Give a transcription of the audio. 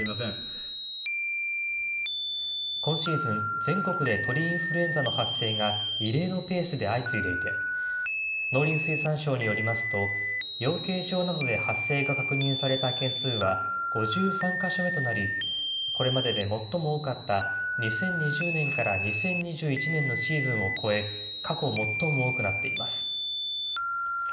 今シーズン、全国で鳥インフルエンザの発生が異例のペースで相次いでいて、農林水産省によりますと、養鶏場などで発生が確認された件数は５３か所目となり、これまでで最も多かった２０２０年から２０２１年のシーズンを超え、過去最も多くなっています。